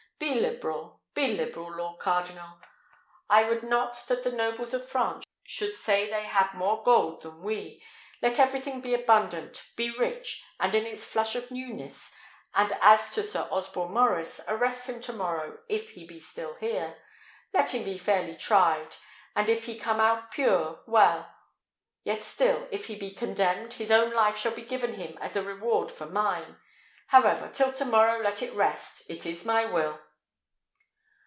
Be liberal, be liberal, lord cardinal! I would not that the nobles of France should say they had more gold than we. Let everything be abundant, be rich, and in its flush of newness; and as to Sir Osborne Maurice, arrest him to morrow, if he be still here. Let him be fairly tried, and if he come out pure, well. Yet still, if he be condemned, his own life shall be given him as a reward for mine. However, till tomorrow let it rest. It is my will!"